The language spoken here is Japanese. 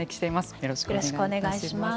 よろしくお願いします。